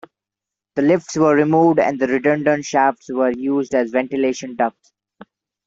The lifts were removed and the redundant shafts were used as ventilation ducts.